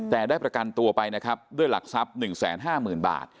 แต่ได้ประกันตัวไปนะครับด้วยหลักทรัพย์หนึ่งแสนห้าหมื่นบาท